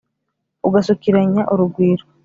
ugasukiranya urugwiro